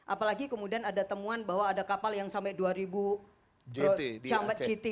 apalagi kemudian ada temuan bahwa ada kapal yang sampai dua kiti